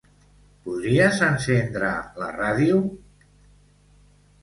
Podries encendre la ràdio?